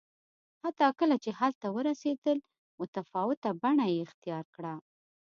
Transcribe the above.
حتی کله چې هلته ورسېدل متفاوته بڼه یې اختیار کړه